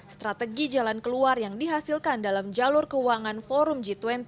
strategi jalan keluar yang dihasilkan dalam jalur keuangan forum g dua puluh